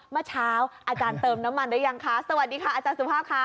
เมื่อเช้าอาจารย์เติมน้ำมันหรือยังคะสวัสดีค่ะอาจารย์สุภาพค่ะ